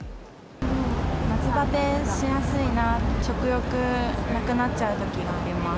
夏ばてしやすいなって、食欲なくなっちゃうときがあります。